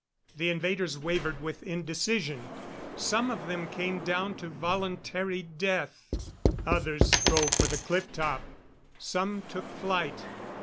The invaders wavered with indecision. Some of them came down to voluntary death; others strove for the cliff top; some took flight.